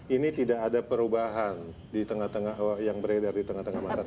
ini tidak ada perubahan yang beredar di tengah tengah masyarakat